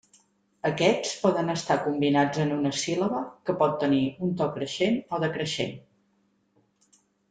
Aquests poden estar combinats en una síl·laba que pot tenir un to creixent o decreixent.